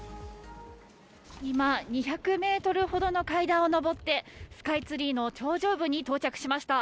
今、２００メートルほどの階段を上って、スカイツリーの頂上部に到着しました。